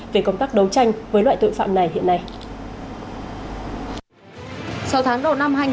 về công tác đấu tranh với loại tội phạm này hiện nay